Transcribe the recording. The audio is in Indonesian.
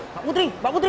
pak putri pak putri